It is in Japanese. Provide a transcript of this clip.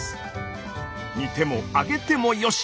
煮ても揚げてもよし。